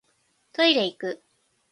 トイレいく